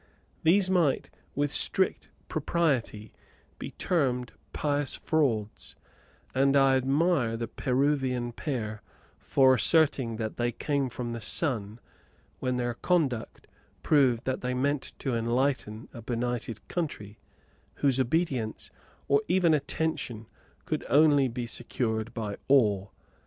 These might with strict propriety be termed pious frauds; and I admire the Peruvian pair for asserting that they came from the sun, when their conduct proved that they meant to enlighten a benighted country, whose obedience, or even attention, could only be secured by awe.